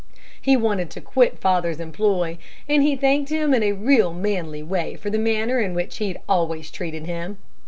He wanted to quit father's employ, and he thanked him in a real manly way for the manner in which he had always treated him.